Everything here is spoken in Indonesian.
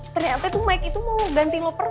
ternyata itu mike itu mau ganti lo perform